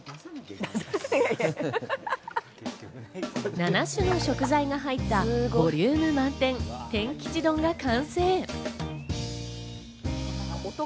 ７種の食材が入ったボリューム満点・天吉丼が完成。